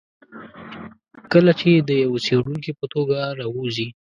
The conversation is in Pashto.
کله چې د یوه څېړونکي په توګه راووځي.